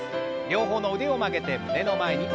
両方の腕を曲げて胸の前に。